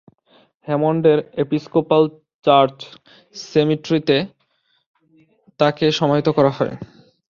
হ্যামন্ডের Episcopal church সিমেট্রিতে তাঁকে সমাহিত করা হয়।